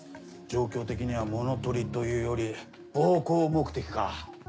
状況的には物取りというより暴行目的か。